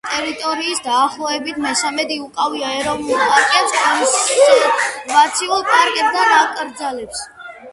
ტერიტორიის დაახლოებით მესამედი უკავია ეროვნულ პარკებს, კონსერვაციულ პარკებს და ნაკრძალებს.